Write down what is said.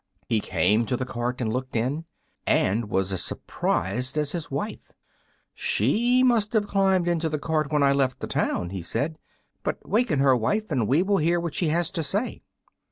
He came to the cart and looked in, and was as surprised as his wife. "She must have climbed into the cart when I left the town," he said; "but waken her, wife, and we will hear what she has to say."